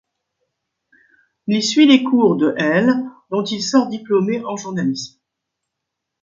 Il suit les cours de l', dont il sort diplômé en journalisme.